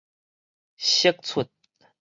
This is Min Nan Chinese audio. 釋出